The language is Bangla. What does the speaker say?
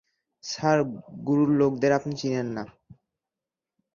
স্যার, গুরুর লোকদের আপনি চিনেন না।